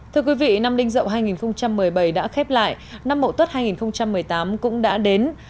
thưa quý vị năm đinh dậu hai nghìn một mươi bảy đã khép lại năm mậu tuất hai nghìn một mươi tám cũng đã đến